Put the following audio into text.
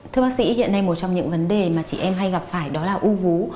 thưa bác sĩ hiện nay một trong những vấn đề mà chị em hay gặp phải đó là u vú